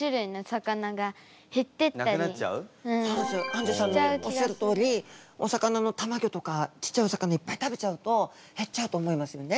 あんじゅさんのおっしゃるとおりお魚のたまギョとかちっちゃいお魚いっぱい食べちゃうと減っちゃうと思いますよね？